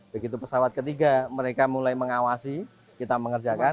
begitu pesawat ketiga mereka mulai mengawasi kita mengerjakan